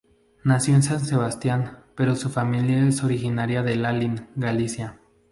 Nació en San Sebastián pero su familia es originaria de Lalín, Galicia.